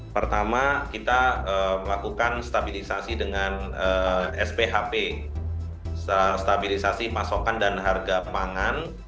pertama kita melakukan stabilisasi dengan sphp stabilisasi pasokan dan harga pangan